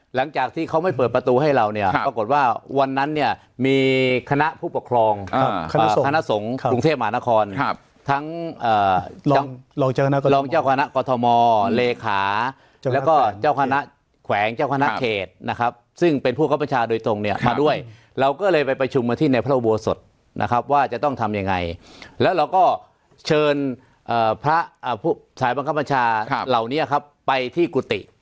หลังจากที่เขาไม่เปิดประตูให้เราเนี่ยปรากฏว่าวันนั้นเนี่ยมีคณะผู้ปกครองคณะสงฆ์กรุงเทพมหานครทั้งรองเจ้าคณะกรทมเลขาแล้วก็เจ้าคณะแขวงเจ้าคณะเขตนะครับซึ่งเป็นผู้คับประชาโดยตรงเนี่ยมาด้วยเราก็เลยไปประชุมกันที่ในพระอุโบสถนะครับว่าจะต้องทำยังไงแล้วเราก็เชิญพระสายบังคับประชาเหล่านี้ครับไปที่กุฏิ